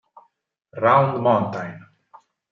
Round Mountain